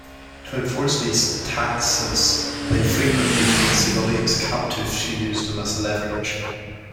To enforce these "taxes", they frequently take civilians captive to use as leverage.